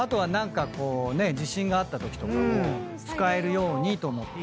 地震があったときとかも使えるようにと思って。